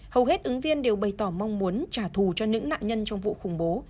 hầu hết ứng viên đều bày tỏ mong muốn trả thù cho những nạn nhân trong vụ khủng bố